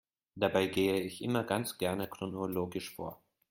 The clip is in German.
Dabei gehe ich immer ganz gerne chronologisch vor.